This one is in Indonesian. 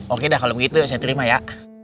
oke dah kalau begitu saya terima ya